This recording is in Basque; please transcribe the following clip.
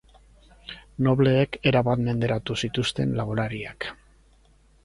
Nobleek erabat menderatu zituzten laborariak.